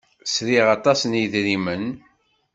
Sriɣ aṭas n yidrimen?